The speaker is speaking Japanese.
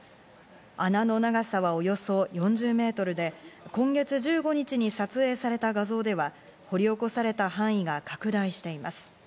穴の長さはおよそ４０メートルで、今月１５日に撮影された画像では、堀り起こされた範囲が拡大しています。